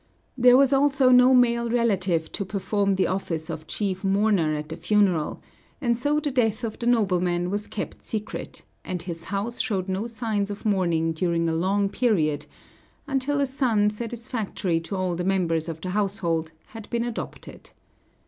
There was also no male relative to perform the office of chief mourner at the funeral; and so the death of the nobleman was kept secret, and his house showed no signs of mourning during a long period, until a son satisfactory to all the members of the household had been adopted.